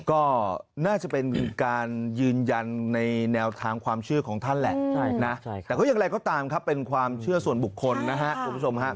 ก็น่าจะเป็นการยืนยันในแนวทางความเชื่อของท่านแหละแต่ก็อย่างไรก็ตามครับเป็นความเชื่อส่วนบุคคลนะครับคุณผู้ชมฮะ